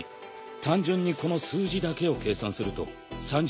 単純にこの数字だけを計算すると３３になる。